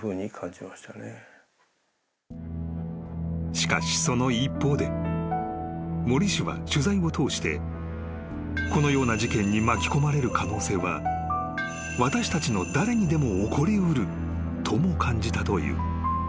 ［しかしその一方で森氏は取材を通してこのような事件に巻き込まれる可能性は私たちの誰にでも起こり得るとも感じたという］